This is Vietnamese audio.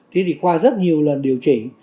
thế thì qua rất nhiều lần điều chỉnh